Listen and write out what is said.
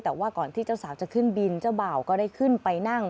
แต่ว่าก่อนที่เจ้าสาวจะขึ้นบินเจ้าบ่าวก็ได้ขึ้นไปนั่ง